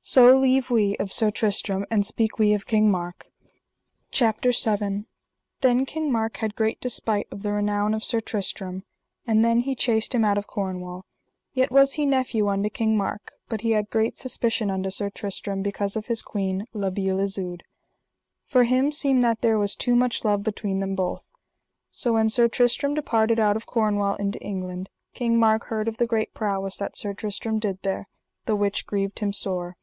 So leave we of Sir Tristram and speak we of King Mark. CHAPTER VII. How for the despite of Sir Tristram King Mark came with two knights into England, and how he slew one of the knights. Then King Mark had great despite of the renown of Sir Tristram, and then he chased him out of Cornwall: yet was he nephew unto King Mark, but he had great suspicion unto Sir Tristram because of his queen, La Beale Isoud; for him seemed that there was too much love between them both. So when Sir Tristram departed out of Cornwall into England King Mark heard of the great prowess that Sir Tristram did there, the which grieved him sore.